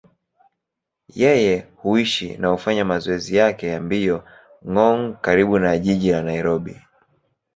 Yeye huishi na hufanya mazoezi yake ya mbio Ngong, karibu na jiji la Nairobi.